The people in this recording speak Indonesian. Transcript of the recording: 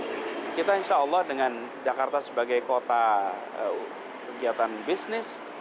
dan kita insya allah dengan jakarta sebagai kota kegiatan bisnis